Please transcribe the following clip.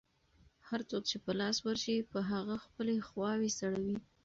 هر څوک چې په لاس ورشي، په هغه خپلې خواوې سړوي.